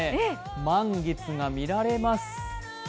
満月が見られます。